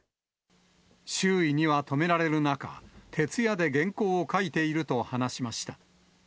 周囲には止められる中、徹夜で原稿を書いていると話しました。